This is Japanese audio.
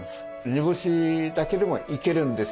煮干しだけでもいけるんですよ。